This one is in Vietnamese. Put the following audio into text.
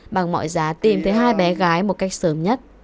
bằng mọi giá tìm thấy hai bé gái một cách sớm nhất